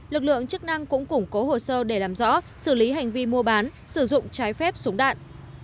lực lượng chức năng cũng củng cố hồ sơ để làm rõ xử lý hành vi mua bán sử dụng trái phép súng đạn